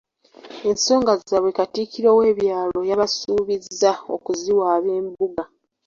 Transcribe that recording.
Ensonga zaabwe Katikkiro w'ebyalo yabasuubizza okuziwaaba Embuga.